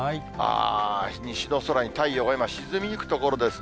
西の空に太陽が今、沈みゆくところですね。